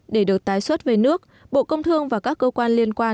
để được tái xuất về nước bộ công thương và các cơ quan liên quan